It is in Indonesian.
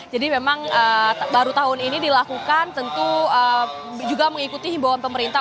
jadi memang baru tahun ini dilakukan tentu juga mengikuti himbawan pemerintah